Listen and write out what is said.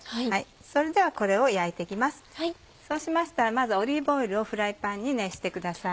それではこれを焼いて行きますそうしましたらまずオリーブオイルをフライパンに熱してください。